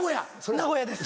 名古屋です。